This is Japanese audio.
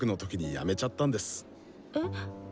えっ？